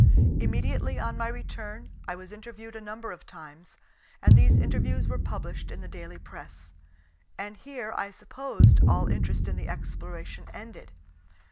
Immediately on my return I was interviewed a number of times, and these interviews were published in the daily press; and here I supposed all interest in the exploration ended.